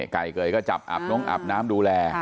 ไก่เกยก็จับอาบนงอาบน้ำดูแล